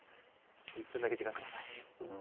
ちょっと１分だけ時間下さい。